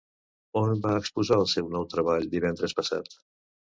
On va exposar el seu nou treball divendres passat?